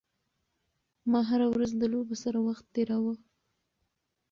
ما هره ورځ د لوبو سره وخت تېراوه.